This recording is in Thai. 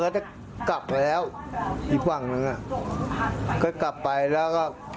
จะกลับมาแล้วอีกฝั่งหนึ่งอ่ะก็กลับไปแล้วก็